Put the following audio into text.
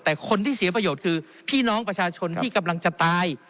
แต่คนที่เสียประโยชน์คือพี่น้องประชาชนที่กำลังจะตาย